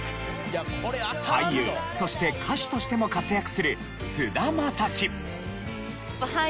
俳優そして歌手としても活躍する菅田将暉。